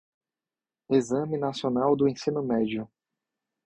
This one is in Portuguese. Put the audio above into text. Exame Nacional do Ensino Médio